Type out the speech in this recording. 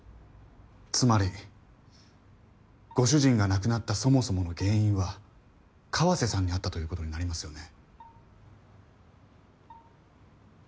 つまりご主人が亡くなったそもそもの原因は川瀬さんにあったという事になりますよね。